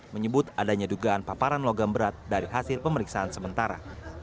menyebut adanya dugaan paparan logam berat dari hasil pemeriksaan sementara